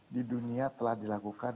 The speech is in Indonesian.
di dunia telah dilakukan